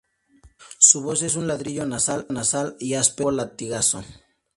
Su voz es un ladrido nasal y áspero, tipo latigazo.